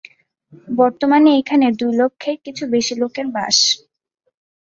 বর্তমানে এখানে দুই লক্ষের কিছু বেশি লোকের বাস।